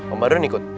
om badun ikut